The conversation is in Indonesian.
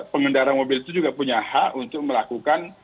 pengendara mobil itu juga punya hak untuk melakukan